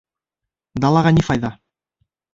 Далаға ни файҙа?